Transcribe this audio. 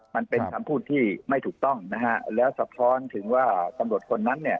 มันเป็นคำพูดที่ไม่ถูกต้องนะฮะแล้วสะท้อนถึงว่าตำรวจคนนั้นเนี่ย